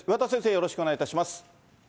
よろしくお願いします。